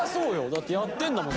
だってやってるんだもん。